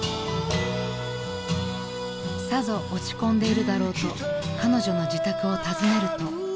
［さぞ落ち込んでいるだろうと彼女の自宅を訪ねると］